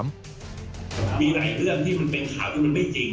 มีหลายเรื่องที่มันเป็นข่าวที่มันไม่จริง